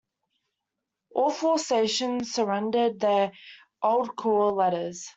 All four stations surrendered their old call letters.